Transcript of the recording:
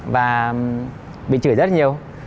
và bị chửi rất nhiều